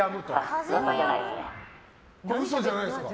嘘じゃないですか。